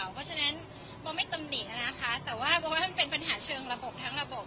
เพราะฉะนั้นโบไม่ตำหนินะคะแต่ว่าโบว่ามันเป็นปัญหาเชิงระบบทั้งระบบ